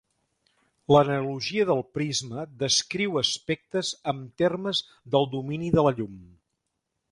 L'analogia del prisma descriu aspectes amb termes del domini de la llum.